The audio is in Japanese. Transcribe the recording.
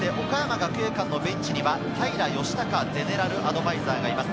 ベンチには平清孝ゼネラルアドバイザーがいます。